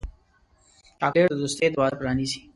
چاکلېټ د دوستۍ دروازه پرانیزي.